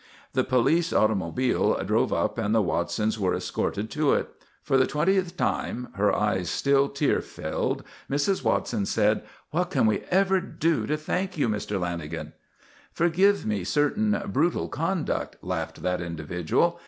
The police automobile drove up and the Watsons were escorted to it. For the twentieth time, her eyes still tear filled, Mrs. Watson said: "What can we ever do to thank you, Mr. Lanagan?" "Forgive me certain brutal conduct," laughed that individual.